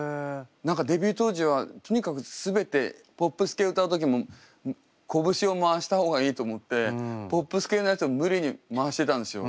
何かデビュー当時はとにかく全てポップス系歌う時もこぶしを回した方がいいと思ってポップス系のやつを無理に回してたんですよ。